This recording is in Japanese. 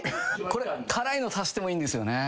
これ辛いの足してもいいんですよね。